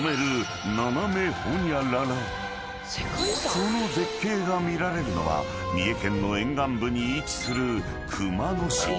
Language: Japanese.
［その絶景が見られるのは三重県の沿岸部に位置する］